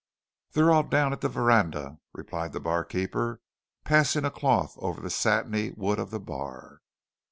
"They're all down at the Verandah," replied the barkeeper, passing a cloth over the satiny wood of the bar.